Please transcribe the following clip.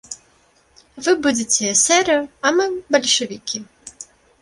Вы будзеце эсэры, а мы бальшавікі.